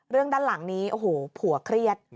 ด้านหลังนี้โอ้โหผัวเครียด